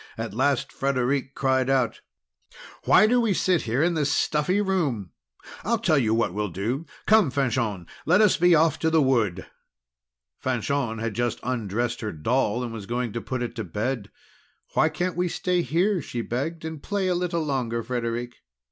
At last Frederic cried out: "Why do we sit here in this stuffy room? I'll tell you what we'll do! Come, Fanchon, let us be off to the wood!" Fanchon had just undressed her doll, and was going to put it to bed. "Why can't we stay here?" she begged, "and play a little longer, Frederic?"